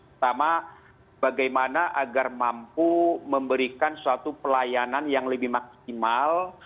pertama bagaimana agar mampu memberikan suatu pelayanan yang lebih maksimal